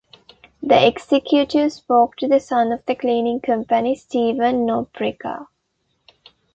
The executive spoke to the son of the cleaning company, Steven Nobrega.